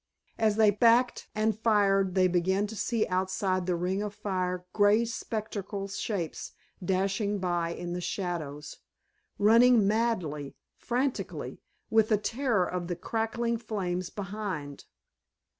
As they backed and fired they began to see outside the ring of fire grey spectral shapes dashing by in the shadows, running madly, frantically, with the terror of the crackling flames behind.